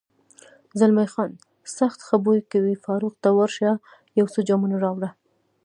زلمی خان: سخت ښه بوی کوي، فاروق، ته ورشه یو څو جامونه راوړه.